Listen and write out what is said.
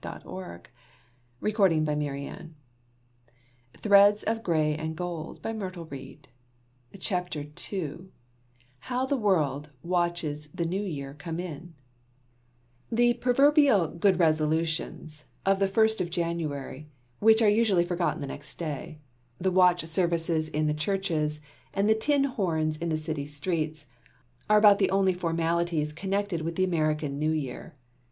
(Poem) 355 QUAINT OLD CHRISTMAS CUSTOMS 357 CONSECRATION. (Poem) 371 How the World Watches the New Year Come In The proverbial "good resolutions" of the first of January which are usually forgotten the next day, the watch services in the churches, and the tin horns in the city streets, are about the only formalities connected with the American New Year.